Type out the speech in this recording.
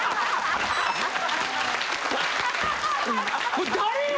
「これ誰や！？」